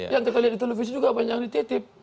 yang kita lihat di televisi juga banyak yang dititip